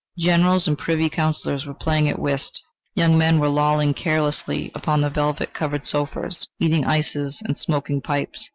Generals and Privy Counsellors were playing at whist; young men were lolling carelessly upon the velvet covered sofas, eating ices and smoking pipes.